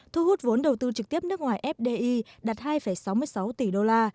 thu hút vốn đầu tư trực tiếp nước ngoài fdi đạt hai sáu mươi sáu tỷ đô la